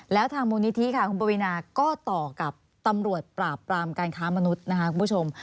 แล้วทางมูลนิธิค่ะคุณปวีนาก็ต่อกับตำรวจปราบปรามการค้ามนุษย์นะคะคุณผู้ชม